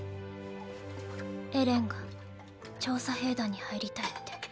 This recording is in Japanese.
エレンが調査兵団に入りたいって。